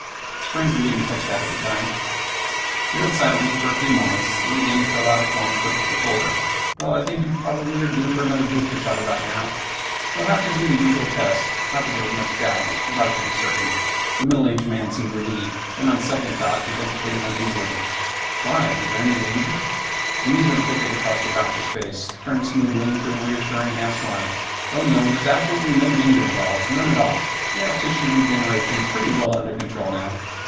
Strange we didn't catch that at the time." He read silently for a few moments, then began to fill out a form clipped to the folder. "Well, I think you probably are due for another booster about now. There'll have to be the usual tests. Not that there's much doubt ... we like to be certain." The middle aged man seemed relieved. Then, on second thought, he hesitated uneasily, "Why? Is there any danger?" Amusement flickered across the doctor's face, turned smoothly into a reassuring half smile. "Oh, no. There's absolutely no danger involved. None at all. We have tissue regeneration pretty well under control now.